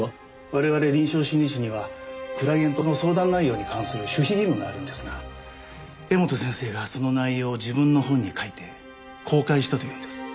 我々臨床心理士にはクライエントの相談内容に関する守秘義務があるんですが柄本先生がその内容を自分の本に書いて公開したというんです。